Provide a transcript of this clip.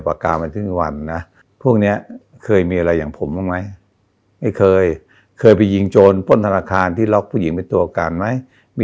ผมมันผ่านความเป็นความตายมาเยอะแล้วนะ